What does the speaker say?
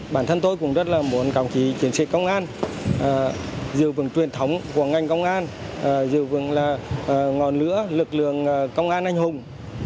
bản thân tôi cũng rất là muốn cảm chí chiến sĩ công an giữ vững truyền thống của ngành công an giữ vững ngọn lửa lực lượng công an anh hùng